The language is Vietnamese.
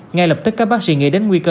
ngay lập tức các bác sĩ nghĩ đến nguy cơ